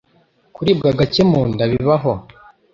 Kuribwa gake mu nda bibaho